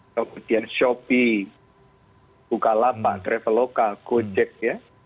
kemudian shopee bukalapak traveloka gojek ya